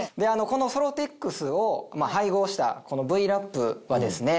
このソロテックスを配合したＶ−Ｌａｐはですね